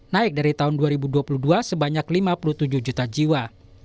naik dari tahun dua ribu dua puluh dua sebanyak lima puluh tujuh juta jiwa